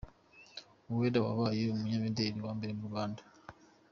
Uwera wabaye umunyamideri wa mbere mu Rwanda